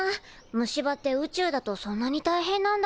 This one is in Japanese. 虫歯って宇宙だとそんなにたいへんなんだね。